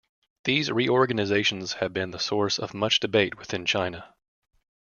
These reorganizations have been the source of much debate within China.